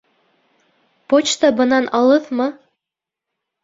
Почта бынан алыҫмы?